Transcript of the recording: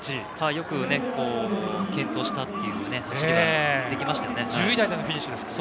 よく健闘した走りができましたよね。